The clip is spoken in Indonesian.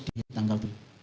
di tanggal tujuh